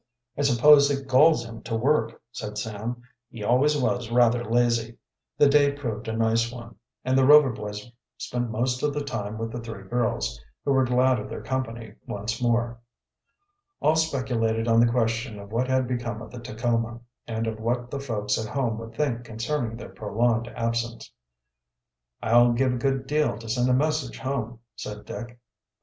"I suppose it galls him to work," said Sam. "He always was rather lazy." The day proved a nice one, and the Rover boys spent most of the time with the three girls, who were glad of their company once more. All speculated on the question of what had become of the Tacoma, and of what the folks at home would think concerning their prolonged absence. "I'd give a good deal to send a message home," said Dick.